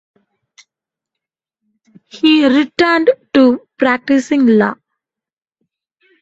He returned to practising law.